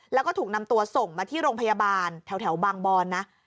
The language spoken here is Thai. แล้วก็ถูกนำตัวส่งมาที่โรงพยาบาลแถวบางบอนนะ